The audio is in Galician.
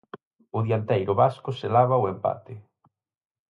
O dianteiro vasco selaba o empate.